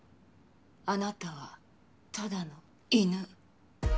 あなたはただの犬。